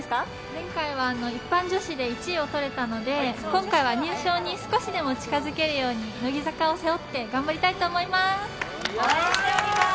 前回は一般女子で１位を取れたので今回は入賞に少しでも近づけるように乃木坂を背負って頑張りたいと思います。